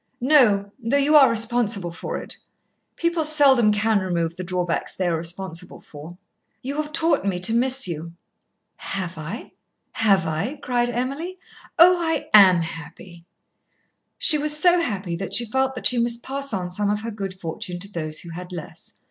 "No, though you are responsible for it. People seldom can remove the drawbacks they are responsible for. You have taught me to miss you." "Have I have I?" cried Emily. "Oh! I am happy!" She was so happy that she felt that she must pass on some of her good fortune to those who had less.